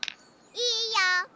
いいよ。